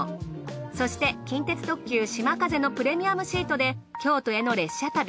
そして近鉄特急しまかぜのプレミアムシートで京都への列車旅。